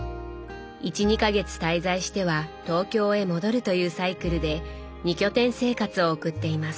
１２か月滞在しては東京へ戻るというサイクルで２拠点生活を送っています。